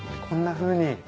こんなふうに。